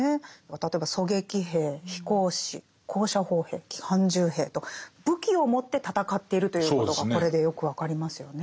例えば狙撃兵飛行士高射砲兵機関銃兵と武器を持って戦っているということがこれでよく分かりますよね。